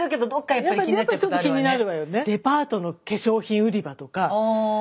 やっぱりちょっと気になるわよね。